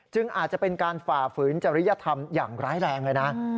อาจจะเป็นการฝ่าฝืนจริยธรรมอย่างร้ายแรงเลยนะ